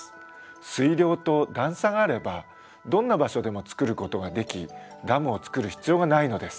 水量と段差があればどんな場所でも作ることができダムを作る必要がないのです。